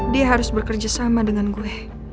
dia harus bekerja sama dengan gue